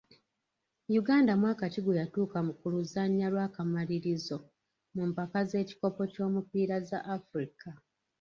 Uganda mwaka ki gwe yatuuka ku luzannya lw’akamalirizo mu mpaka z'ekikopo ky'omupiira za Afirika?